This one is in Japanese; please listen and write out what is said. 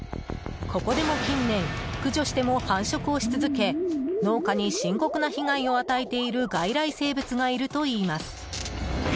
ここでも近年駆除しても繁殖をし続け農家に深刻な被害を与えている外来生物がいるといいます。